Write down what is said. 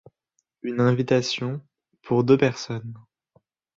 Une invitation, pour deux personnes.